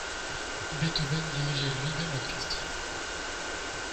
Beethoven dirigeait lui-même l’orchestre.